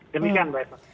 demikian mbak eva